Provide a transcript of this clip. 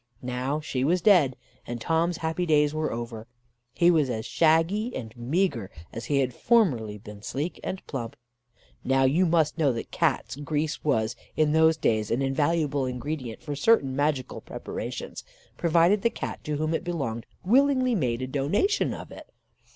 Now she was dead, and Tom's happy days were over: he was as shaggy and meagre, as he had formerly been sleek and plump. Now, you must know that Cats' grease was, in those days, an invaluable ingredient for certain magical preparations, provided the Cat to whom it belonged willingly made a donation of it.